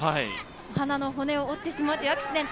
鼻の骨を折ってしまうというアクシデント。